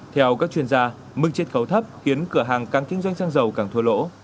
theo các chuyên gia mức chết khấu thấp khiến cửa hàng càng kinh doanh xăng dầu càng thua lỗ